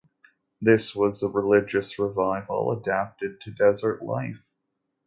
This was a religious revival adapted to desert life.